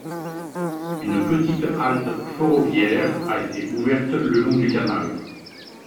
Une petite halte forroviaire a été ouverte le long du canal.